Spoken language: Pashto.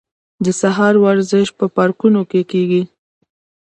د سهار ورزش په پارکونو کې کیږي.